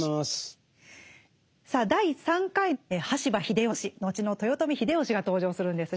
さあ第３回羽柴秀吉後の豊臣秀吉が登場するんですが。